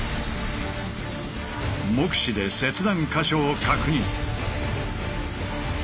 目視で切断箇所を確認。